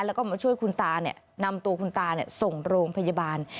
แล้วก็มาช่วยคุณตานำตัวคุณตาส่งโรงพยาบาล